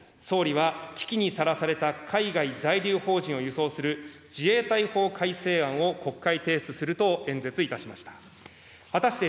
総理は危機にさらされた海外在留邦人を輸送する自衛隊法改正案を国会提出すると演説いたしました。